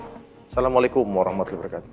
assalamualaikum warahmatullahi wabarakatuh